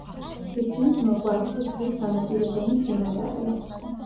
სიცივის მოყვარული, ზღვის სანაპირო ზონის ბინადარია.